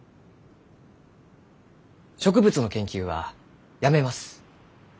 植物の研究はやめます。